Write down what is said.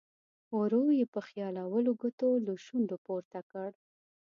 ورو یې په خیالولو ګوتو له شونډو پورته کړ.